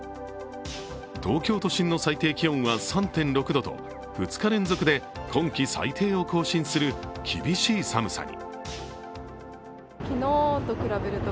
東京都心の最低気温は３．６度と２日連続で今季最低を更新する厳しい寒さに。